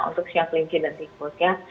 untuk show kelingki dan tikus ya